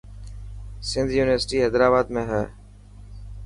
سنڌ يونيورسٽي حيدرآباد ۾ هي.